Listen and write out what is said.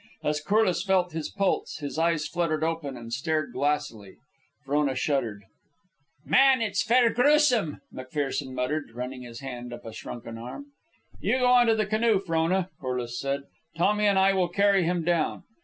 As Corliss felt his pulse, his eyes fluttered open and stared glassily. Frona shuddered. "Man, it's fair gruesome," McPherson muttered, running his hand up a shrunken arm. "You go on to the canoe, Frona," Corliss said. "Tommy and I will carry him down."